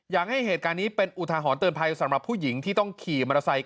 อยากให้เหตุการณ์นี้เป็นอุทหรณ์เตือนภัยสำหรับผู้หญิงที่ต้องขี่มอเตอร์ไซค์